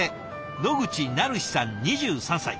野口愛陽さん２３歳。